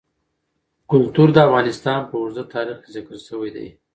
کلتور د افغانستان په اوږده تاریخ کې ذکر شوی دی.